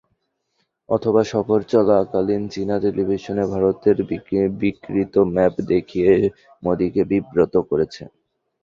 অথবা সফর চলাকালে চীনা টেলিভিশনে ভারতের বিকৃত ম্যাপ দেখিয়ে মোদিকে বিব্রত করেছে।